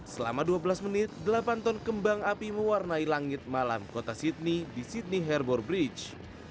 selama dua belas menit delapan ton kembang api mewarnai langit malam kota sydney di sydney hairbor bridge